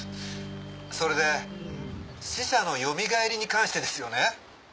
それで死者のよみがえりに関してですよね？